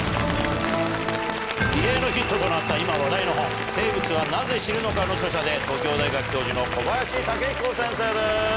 異例のヒットとなった今話題の本『生物はなぜ死ぬのか』の著者で東京大学教授の小林武彦先生です。